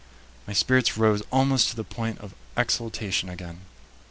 My spirits rose almost to the point of exultation again.